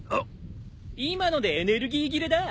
今のでエネルギー切れだ。